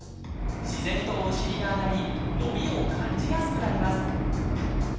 自然とお尻が上がり伸びを感じやすくなります